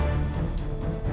aduh apa itu